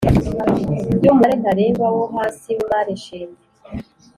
by umubare ntarengwa wo hasi w imari shingiro